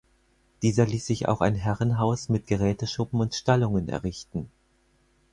Dieser ließ auch ein Herrenhaus mit Geräteschuppen und Stallungen errichten.